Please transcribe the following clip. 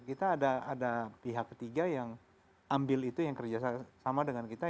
kita ada pihak ketiga yang ambil itu yang kerjasama dengan kita